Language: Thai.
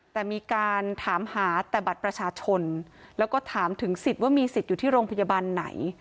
แต่มีการถามหาแต่บัตรประชาชนแล้วก็ถามถึงสิทธิ์ว่ามีสิทธิ์อยู่ที่โรงพยาบาลไหน